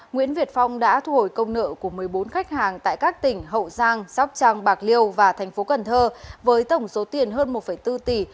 nguyễn việt phong đã thu hồi công nợ của một mươi bốn khách hàng tại các tỉnh hậu giang sóc trăng bạc liêu và tp cn với tổng số tiền hơn một bốn tỷ